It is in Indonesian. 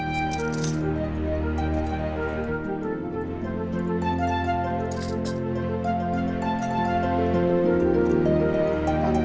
aku akan berhenti berpengalaman